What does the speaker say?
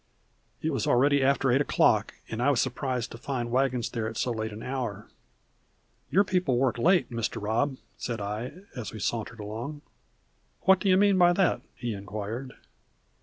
It was already after eight o'clock, and I was surprised to find the wagons there at so late an hour. "Your people work late, Mr. Robb," said I, as we sauntered along. "What do you mean by that?" he inquired.